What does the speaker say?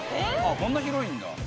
こんな広いんだ。